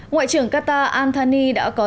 ngoại trưởng qatar antony đã có